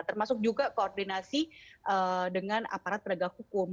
termasuk juga koordinasi dengan aparat penegak hukum